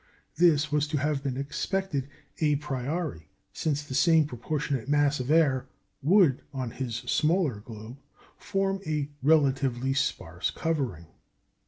This was to have been expected à priori, since the same proportionate mass of air would on his smaller globe form a relatively sparse covering.